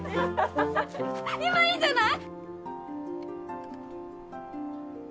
今いいんじゃない？